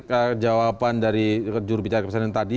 kejawaban dari jurubicara presiden tadi